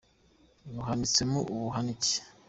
Ruhanitsemo uruhanika